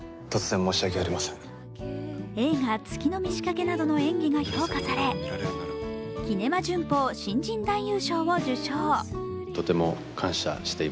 映画「月の満ち欠け」などの演技が評価され「キネマ旬報」新人男優賞を受賞。